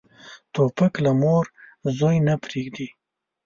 توپک له مور زوی نه پرېږدي.